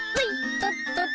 とっとっ。